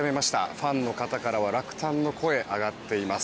ファンの方からは落胆の声が上がっています。